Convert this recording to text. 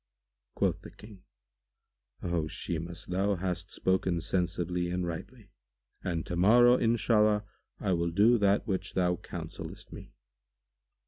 Quoth the King, "O Shimas, thou hast spoken sensibly and rightly; and to morrow, Inshallah, I will do that which thou counsellest me."